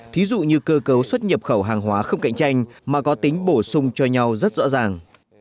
thí dụ như cơ cấu xuất nhập khẩu hàng hóa không cạnh tranh mà có tính bổ sung cho nhau rất rõ ràng